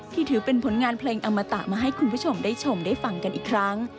ถือเป็นผลงานเพลงอมตะมาให้คุณผู้ชมได้ชมได้ฟังกันอีกครั้ง